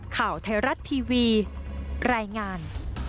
ข่าวไทยรัฐทีวีรายงาน